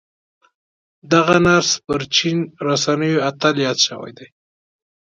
دغه نرس پر چين رسنيو اتل ياد شوی دی.